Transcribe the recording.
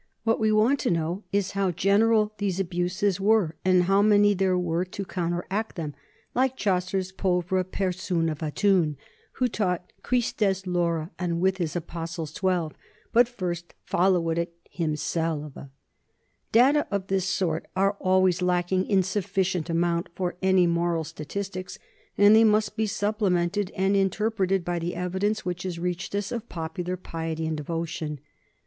What we want most to know is how general these abuses were and how many there were to counteract them like Chau cer's ' povre persoun of a toun,' who taught " Cristes lore and his apostles twelve," but first "folwed it himselve." Data of this sort are always lacking in sufficient amount for any moral statistics, and they must be supplemented and interpreted by the evidence which has reached us of popular piety and devotion.